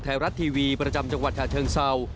แทรวรัฐทีวีประจำจังหวัดธาตุเชิงเซา